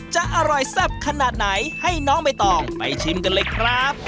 จะอร่อยแซ่บขนาดไหนให้น้องใบตองไปชิมกันเลยครับ